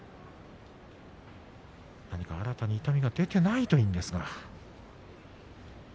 新たに痛みが出ていないといいんですが。